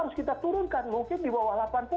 harus kita turunkan mungkin di bawah delapan puluh